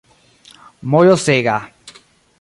mojosega